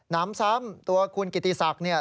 น้ำซ้ำตัวคุณกิติศักดิ์เนี่ย